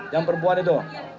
yang perempuan itu